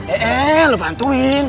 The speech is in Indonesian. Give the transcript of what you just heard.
eh eh lo bantuin